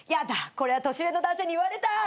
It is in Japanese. これは年上の男性に言われたい。